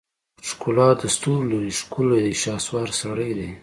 ښکلا دستورولري ښکلی دی شهوار سړی دی